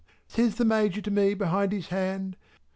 says the Major to me behind his hand.)